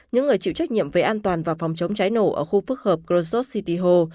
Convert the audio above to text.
những người chịu trách nhiệm về an toàn và phòng chống cháy nổ ở khu phức hợp rrosos city ho